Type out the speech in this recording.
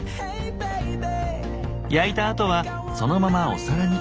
焼いたあとはそのままお皿に。